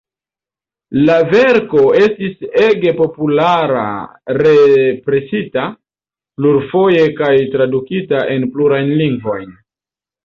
La verko estis ege populara--represita plurfoje kaj tradukita en plurajn lingvojn.